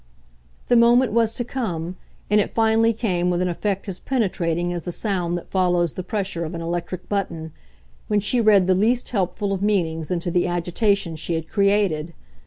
The moment was to come and it finally came with an effect as penetrating as the sound that follows the pressure of an electric button when she read the least helpful of meanings into the agitation she had created.